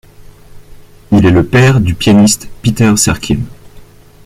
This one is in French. Il est le père du pianiste Peter Serkin.